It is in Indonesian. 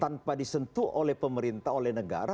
tanpa disentuh oleh pemerintah oleh negara